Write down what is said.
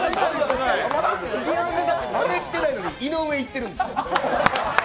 まだ来てないのに、井上いってるんですよ。